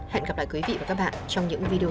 hẹn gặp lại quý vị và các bạn trong những video